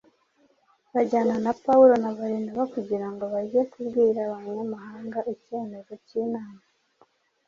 bajyana na Pawulo na Barinaba kugira ngo bajye kubwira Abanyamahanga icyemezo cy’inama